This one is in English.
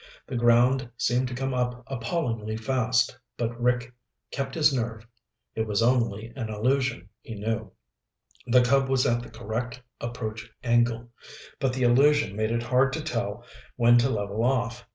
The ground seemed to come up appallingly fast, but Rick kept his nerve. It was only an illusion, he knew. The Cub was at the correct approach angle. But the illusion made it hard to tell when to level off.